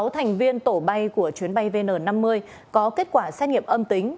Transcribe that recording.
sáu thành viên tổ bay của chuyến bay vn năm mươi có kết quả xét nghiệm âm tính